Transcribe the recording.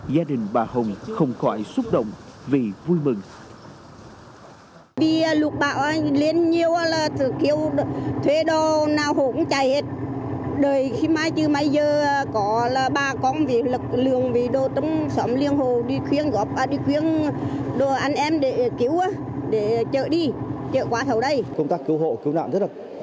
gia đình bà hồng không khỏi xúc động vì vui mừng